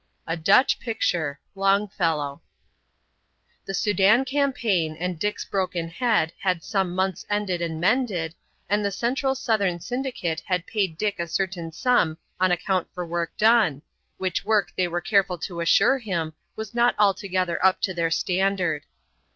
—A Dutch Picture.—Longfellow The Soudan campaign and Dick's broken head had been some months ended and mended, and the Central Southern Syndicate had paid Dick a certain sum on account for work done, which work they were careful to assure him was not altogether up to their standard.